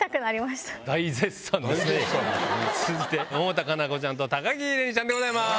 続いて百田夏菜子ちゃんと高城れにちゃんでございます。